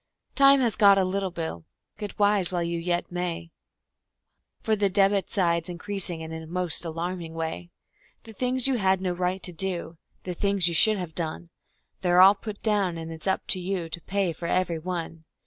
Time has got a little bill get wise while yet you may, For the debit side's increasing in a most alarming way; The things you had no right to do, the things you should have done, They're all put down; it's up to you to pay for every one.